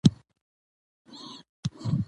مېلې د کوچنيانو له پاره د لوبو او زدهکړي ځایونه دي.